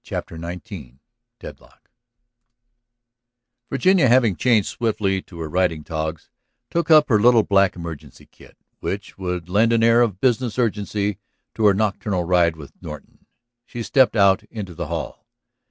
CHAPTER XIX DEADLOCK Virginia, having changed swiftly to her riding togs, took up her little black emergency kit, which would lend an air of business urgency to her nocturnal ride with Norton, and stepped out into the hall.